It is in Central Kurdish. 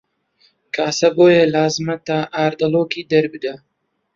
کاسە بۆیە لازمە تا ئاردەڵۆکی دەربدا